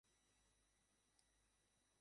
এটা আমার কথা।